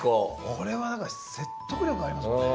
これはだから説得力ありますね。